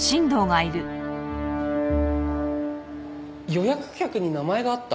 予約客に名前があった？